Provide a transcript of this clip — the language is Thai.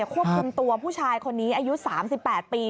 ควบคุมตัวผู้ชายคนนี้อายุ๓๘ปี